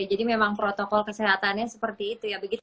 oke jadi memang protokol kesehatannya seperti itu ya begitu ya